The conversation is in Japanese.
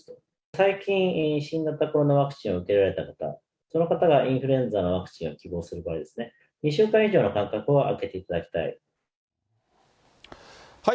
最近、新型コロナワクチンを受けられた方、その方がインフルエンザのワクチンを希望する場合、２週間以上の間隔を空けていただきたい。